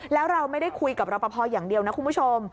แล้วเราไม่ได้คุยกับรอปภอย่างเดียวนะคุณผู้ชม